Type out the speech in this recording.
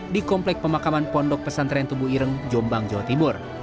di komplek pemakaman pondok pesantren tubuh ireng jombang jawa timur